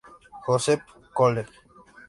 Joseph's College.